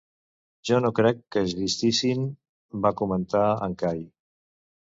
"Jo no crec que existissin", va comentar en Kay.